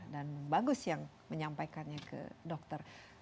bagus yang menyampaikannya ke dokter